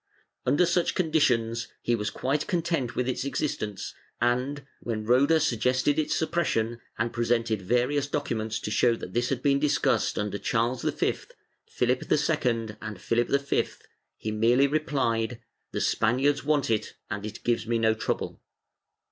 "^ Under such conditions, he was quite content with its existence and, when Roda suggested its suppression and presented various documents to show that this had been discussed under Charles V, Phihp II and Philip V, he merely replied " The Spaniards want it and it gives me no trouble."